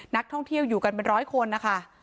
นักท่องเที่ยวอยู่กันเป็นร้อยคนนะคะ